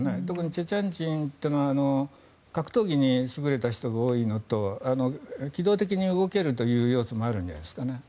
チェチェン人というのは格闘技に優れた人が多いのと機動的に動けるという要素もありますね。